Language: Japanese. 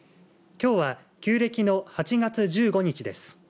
きょうは旧暦の８月１５日です。